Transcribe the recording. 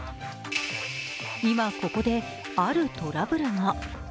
今ここで、あるトラブルが。